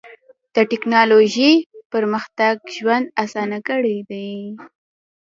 د ټکنالوجۍ پرمختګ ژوند اسان کړی دی.